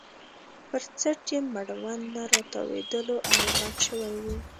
پر څټ یې مړوند نه راتاوېدلو او غټ شوی وو.